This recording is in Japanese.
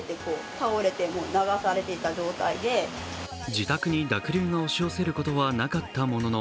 自宅に濁流が押し寄せることはなかったものの、